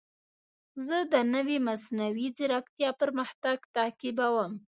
زه د نوې مصنوعي ځیرکتیا پرمختګ تعقیبوم.